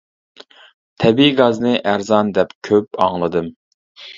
تەبىئىي گازنى ئەرزان دەپ كۆپ ئاڭلىدىم.